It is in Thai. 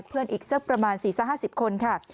เพื่อนอีกสักประมาณ๔๕๐คนค่ะ